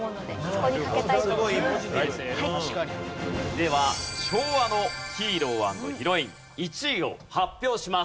では昭和のヒーロー＆ヒロイン１位を発表します。